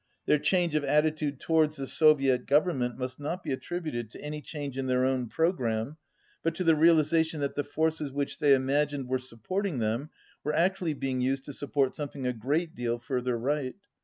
Their change of attitude towards the Soviet Government must not be attributed to any change in their own programme, but to the realiza tion that the forces which they imagined were sup porting them were actually being used to support something a great deal further right.